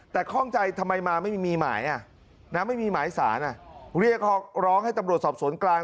แต่ข้องใจทำไมมาไม่มีหมายไม่มีหมายสารเรียกร้องให้ตำรวจสอบสวนกลาง